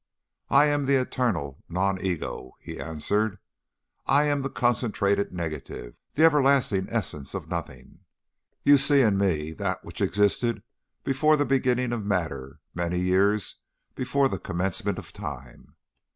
"'I am the eternal non ego,' he answered. 'I am the concentrated negative the everlasting essence of nothing. You see in me that which existed before the beginning of matter many years before the commencement of time.